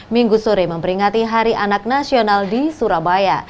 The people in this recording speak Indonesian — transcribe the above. minggu sore memperingati hari anak nasional di surabaya